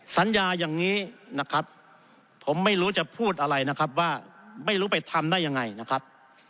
สัญญาอย่างนี้นะครับผมไม่รู้จะพูดอะไรนะครับว่าไม่รู้ไปทำได้ยังไงนะครับ